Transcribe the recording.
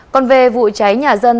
còn về vụ cháy nhà dân